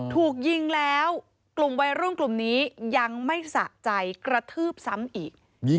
ถูกยิงแล้วกลุ่มวัยรุ่นกลุ่มนี้ยังไม่สะใจกระทืบซ้ำอีก